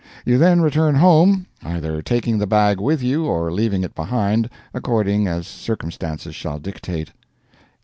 You then return home, either taking the bag with you or leaving it behind, according as circumstances shall dictate.